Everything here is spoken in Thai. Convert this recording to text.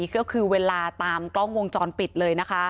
ก็คือเวลาตามกล้องวงจรปิดเลยนะคะ